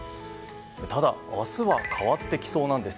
ただ明日は変わってきそうなんです。